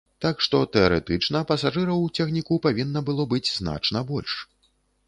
Так што, тэарэтычна, пасажыраў у цягніку павінна было быць значна больш.